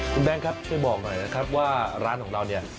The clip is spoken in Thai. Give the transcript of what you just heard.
คุณแบงค์ครับช่วยบอกหน่อยนะครับว่าร้านของเราเนี่ย